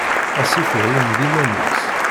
Asif iɛuned iman-is.